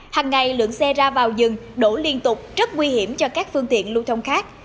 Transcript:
hằng ngày lượng xe ra vào dừng đổ liên tục rất nguy hiểm cho các phương tiện lưu thông khác